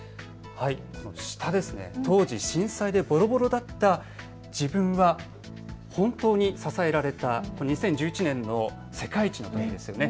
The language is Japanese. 下、当時、震災でボロボロだった自分は本当に支えられた２０１１年の世界一の場面ですよね。